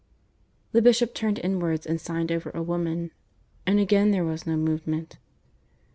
The bishop turned inwards and signed over a woman, and again there was no movement.